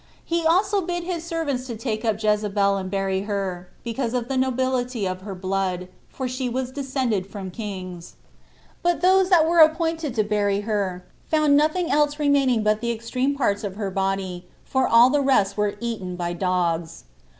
He also bid his servants to take up Jezebel and bury her, because of the nobility of her blood, for she was descended from kings; but those that were appointed to bury her found nothing else remaining but the extreme parts of her body, for all the rest were eaten by dogs.